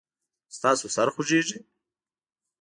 ستاسو سر خوږیږي؟